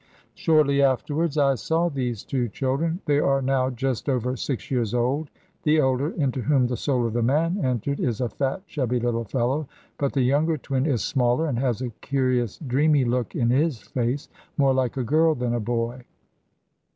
Shortly afterwards I saw these two children. They are now just over six years old. The elder, into whom the soul of the man entered, is a fat, chubby little fellow, but the younger twin is smaller, and has a curious dreamy look in his face, more like a girl than a boy.